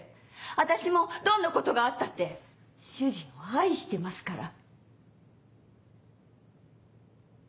私もどんなことがあったって主人を愛してますから。